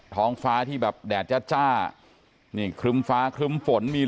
ท้องฟ้าที่แบบแดดจ้าคลึมฟ้าคลึมฝนมี